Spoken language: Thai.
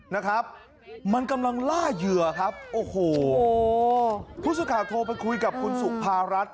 นะครับมันกำลังล่าเหยื่อครับโอ้โหผู้สื่อข่าวโทรไปคุยกับคุณสุภารัฐ